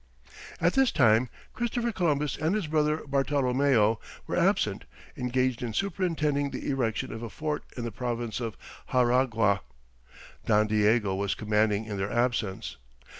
At this time Christopher Columbus and his brother Bartolomeo were absent, engaged in superintending the erection of a fort in the province of Xaragua; Don Diego was commanding in their absence.